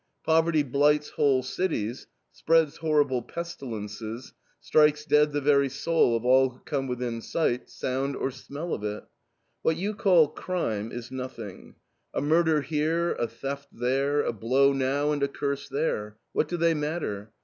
Poverty blights whole cities; spreads horrible pestilences; strikes dead the very soul of all who come within sight, sound, or smell of it. What you call crime is nothing; a murder here, a theft there, a blow now and a curse there: what do they matter?